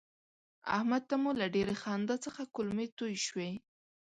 احمد ته مو له ډېرې خندا څخه کولمې توی شوې.